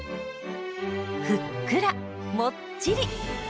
ふっくらもっちり！